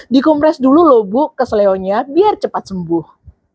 dikumpres dulu lo bu keseluruhannya biar cepat sembuh